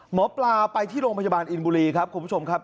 หมอปลาไปที่โรงพยาบาลอินบุรีครับคุณผู้ชมครับ